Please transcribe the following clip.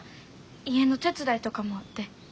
家の手伝いとかもあって。